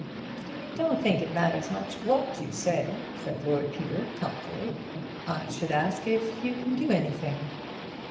"I don't think it matters much what you say," said Lord Peter, helpfully. "I should ask if you can do anything."